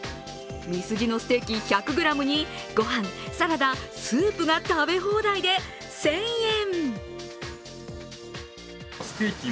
ミスジのステーキ１００ｇにごはん、サラダ、スープが食べ放題で１０００円。